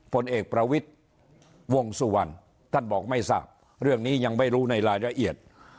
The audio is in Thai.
ผลเอกประวิทย์วงสุวรรณท่านบอกไม่ทราบเรื่องนี้ยังไม่รู้ในรายละเอียด